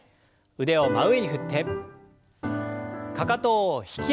腕を真上に振ってかかとを引き上げて下ろして。